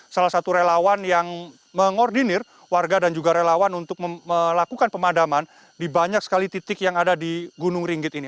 salah satu relawan yang mengordinir warga dan juga relawan untuk melakukan pemadaman di banyak sekali titik yang ada di gunung ringgit ini